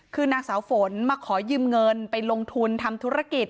คือนางสาวฝนมาขอยืมเงินไปลงทุนทำธุรกิจ